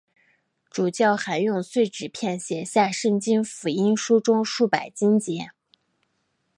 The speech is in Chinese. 主教还用碎纸片写下圣经福音书中数百经节。